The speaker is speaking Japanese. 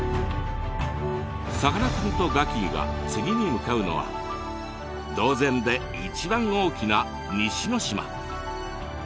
さかなクンとガキィが次に向かうのは島前で一番大きな西ノ島。